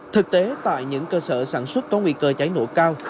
thực tế tại những cơ sở sản xuất có nguy cơ cháy nổ cao